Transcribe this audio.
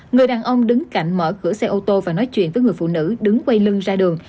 người đàn ông đứng cạnh mở cửa xe ô tô và nói chuyện với người phụ nữ đứng quay lưng ra đường